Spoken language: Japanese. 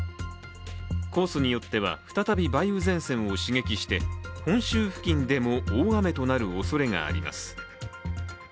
コースによっては、再び梅雨前線を刺激して本州付近でも大雨となるおそれがあります。